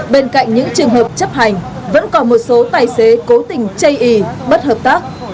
bên cạnh những trường hợp chấp hành vẫn còn một số tài xế cố tình chây ý bất hợp tác